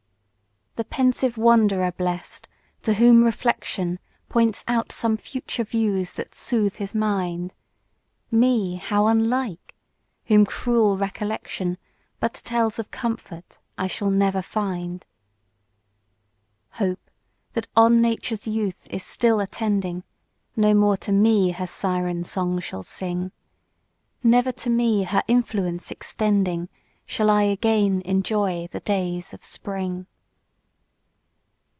The pensive wanderer bless'd, to whom reflection Points out some future views that soothe his mind; Me how unlike! whom cruel recollection But tells of comfort I shall never find! Page 75 Hope, that on Nature's youth is still attending, No more to me her syren song shall sing; Never to me her influence extending, Shall I again enjoy the days of Spring!